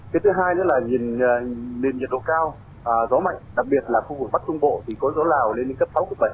cái thứ hai nữa là nhìn nền nhiệt độ cao gió mạnh đặc biệt là khu vực bắc trung bộ thì có gió lào lên đến cấp sáu cấp bảy